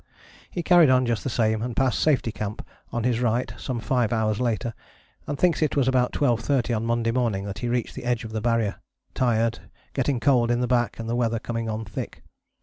He carried on just the same and passed Safety Camp on his right some five hours later, and thinks it was about twelve thirty on Monday morning that he reached the edge of the Barrier, tired, getting cold in the back and the weather coming on thick.